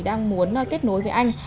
đang muốn kết nối với anh